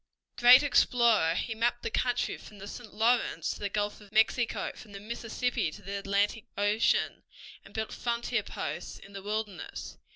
Great explorer, he mapped the country from the St. Lawrence to the Gulf of Mexico, from the Mississippi to the Atlantic Ocean, and built frontier posts in the wilderness.